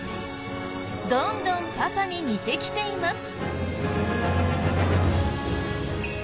どんどんパパに似てきています。